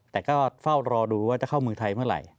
แต่ก็เฝ้ารอดูว่าจะเข้าเมืองไทยเมื่อไหร่